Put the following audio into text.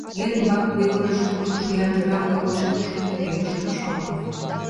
Ер ӱмбак пӱгырнышӧ, кужу шӱян жирафла койшо пушеҥге велыш лупшалтна.